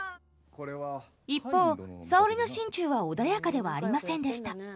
一方沙織の心中は穏やかではありませんでした。